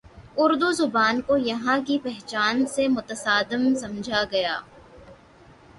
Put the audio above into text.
اردو زبان کو یہاں کی پہچان سے متصادم سمجھا گیا